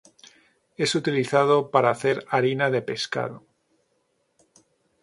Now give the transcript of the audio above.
Es utilizado para hacer harina de pescado.